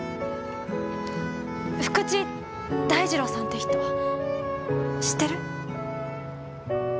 福地大二郎さんって人知ってる？